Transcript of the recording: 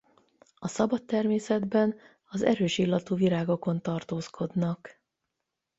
A szabad természetben az erős illatú virágokon tartózkodnak.